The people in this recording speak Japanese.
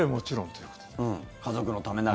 家族のためなら。